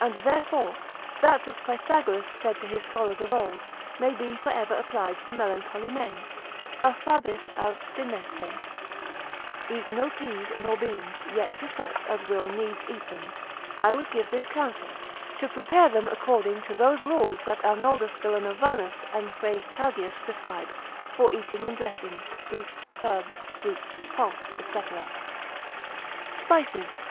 And therefore, that which Pythagoras said to his scholars of old, may be for ever applied to melancholy men, A fabis abstinete, eat no peas, nor beans; yet to such as will needs eat them, I would give this counsel, to prepare them according to those rules that Arnoldus Villanovanus, and Frietagius prescribe, for eating, and dressing. fruits, herbs, roots, pulse, &c. _Spices.